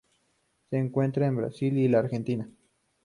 Se encuentra en el Brasil y la Argentina.